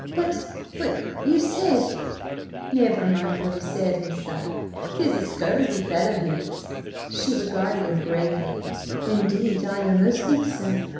"But–but–you said—" "Never mind what he said, Miss Di. 'Tis a scurvy fellow he is." She regarded him gravely. "Indeed, I almost think so."